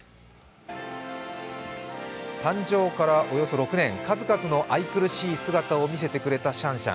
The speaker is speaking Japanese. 誕生からおよそ６年、数々の愛くるしい姿を見せてくれたシャンシャン。